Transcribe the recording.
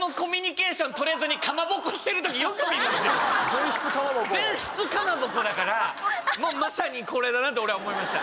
前室誰とも前室かまぼこだからもうまさにこれだなと俺は思いました。